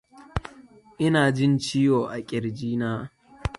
Ina jin ciwo a kirji na.